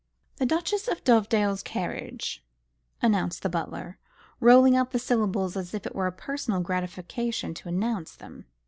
"The Duchess of Dovedale's carriage," announced the butler, rolling out the syllables as if it were a personal gratification to announce them.